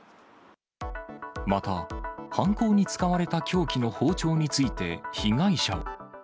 また、犯行に使われた凶器の包丁について被害者は。